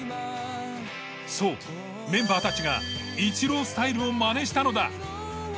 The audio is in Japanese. そうメンバーたちがイチロースタイルをまねしたのだ。